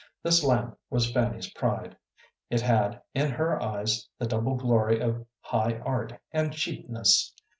This lamp was Fanny's pride. It had, in her eyes, the double glory of high art and cheapness.